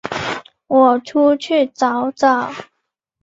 我出来找找